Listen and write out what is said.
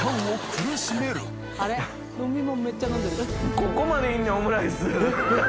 ここまでいるねんオムライス。